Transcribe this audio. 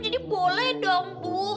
jadi boleh dong bu